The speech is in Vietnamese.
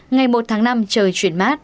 ngày một tháng năm trời chuyển mát